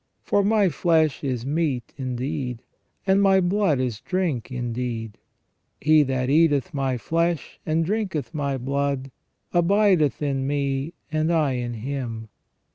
For My flesh is meat indeed, and My blood is drink indeed. He that eateth My flesh, and drinketh My blood, abideth in Me, and I in him.